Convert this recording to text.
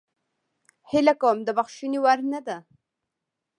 هیله کوم د بخښنې وړ نه ده